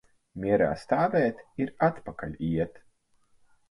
Mierā stāvēt ir atpakaļ iet.